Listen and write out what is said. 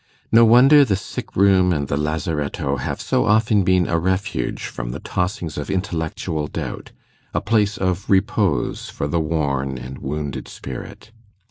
No wonder the sick room and the lazaretto have so often been a refuge from the tossings of intellectual doubt a place of repose for the worn and wounded spirit.